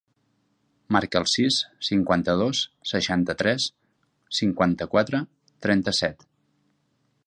Marca el sis, cinquanta-dos, seixanta-tres, cinquanta-quatre, trenta-set.